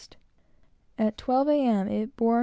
At twelve M., it bore N.